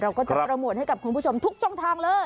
ก็จะโปรโมทให้กับคุณผู้ชมทุกช่องทางเลย